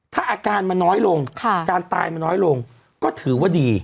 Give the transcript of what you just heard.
ถ้าอาการมันน้อยลงการตายมันน้อยลงก็ถือว่าดี